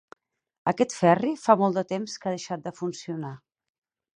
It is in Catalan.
Aquest ferri fa molt de temps que ha deixat de funcionar.